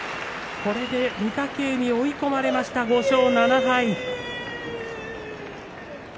これで御嶽海、追い込まれました５勝７敗。